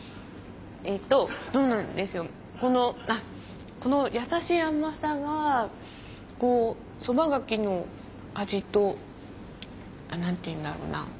えっとこの優しい甘さがそばがきの味と何ていうんだろうな。